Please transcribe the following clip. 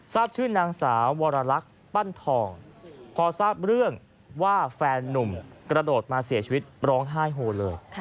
ทราบชื่อนางสาววรรลักษณ์ปั้นทองพอทราบเรื่องว่าแฟนนุ่มกระโดดมาเสียชีวิตร้องไห้โฮเลย